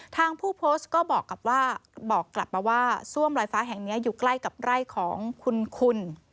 ทางผู้โพสต์ก็บอกกับว่าบอกกลับมาว่าซ่วมลอยฟ้าแห่งนี้อยู่ใกล้กับไร่ของคุณคุณ